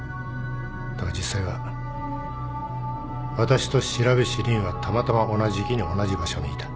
だが実際は私と白菱凜はたまたま同じ時期に同じ場所にいた。